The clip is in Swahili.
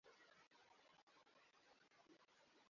Taarifa hiyo inaweza kuwa kamili au la.